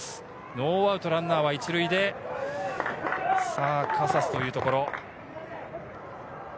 ノーアウト、ランナーは１塁で、カサスというところ。